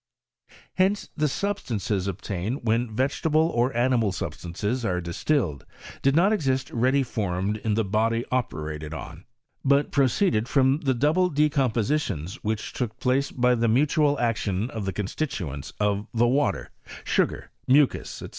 Hence the substances obtained when vegetable or animal substances are distilled did not exist readr formed in the body operated on ; but proceedea> from the double decompositions which took place by the mutual action of the constituents of the water,j sugar, mucus, &c.